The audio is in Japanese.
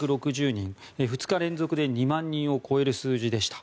２日連続で２万人を超える数字でした。